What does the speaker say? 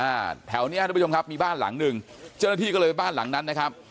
อ่าแถวเนี้ยทุกผู้ชมครับมีบ้านหลังหนึ่งเจ้าหน้าที่ก็เลยไปบ้านหลังนั้นนะครับ